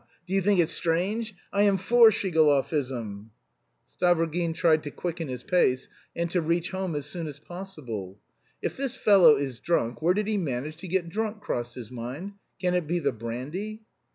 Do you think it strange? I am for Shigalovism." Stavrogin tried to quicken his pace, and to reach home as soon as possible. "If this fellow is drunk, where did he manage to get drunk?" crossed his mind. "Can it be the brandy?"